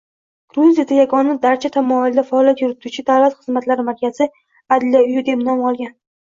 Gruziyada yagona darcha tamoyilida faoliyat yurituvchi davlat xizmatlari markazi “Adliya uyi” deb nom olgan.